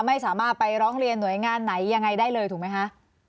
ไม่สามารถไปร้องเรียนหน่วยงานไหนยังไงได้เลยถูกไหมคะ